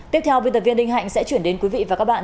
tiếp theo viên tập viên đinh hạnh sẽ chuyển đến quý vị và các bạn